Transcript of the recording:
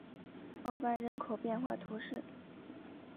奥班人口变化图示